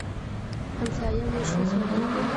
همسايه مو ښه سړی دی.